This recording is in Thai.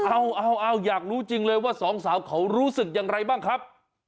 เอาอยากรู้จริงเลยว่าสองสาวเขารู้สึกอย่างไรบ้างครับ